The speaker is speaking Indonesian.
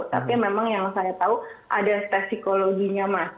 tapi memang yang saya tahu ada tes psikologinya mas